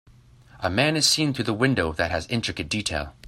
A man is seen through the window that has intricate detail.